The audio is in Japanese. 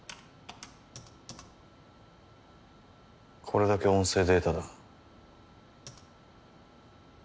これだけ音声データだ。